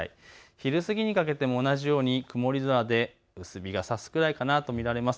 昼過ぎにかけても同じように曇り空で薄日がさすくらいかなと見られます。